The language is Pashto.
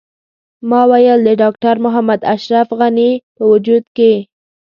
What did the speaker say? ما ویل د ډاکټر محمد اشرف غني په وجود کې.